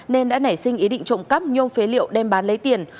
nên đã nảy sinh ý định trộm cắp nhôm phế liệu đem bán lấy tiền